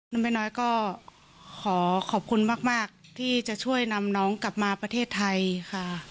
แม่น้อยก็ขอขอบคุณมากที่จะช่วยนำน้องกลับมาประเทศไทยค่ะ